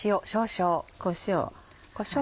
こしょう。